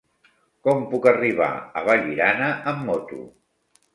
Com puc arribar a Vallirana amb moto?